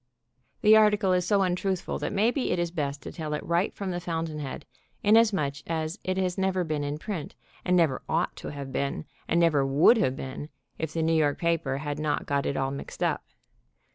The arti cle is so untruthful that maybe it is best to tell it right from the fountain head, inasmuch as it has never been in print, and never ought to have been, and never would have been, if the New York paper had not got it all mixed up.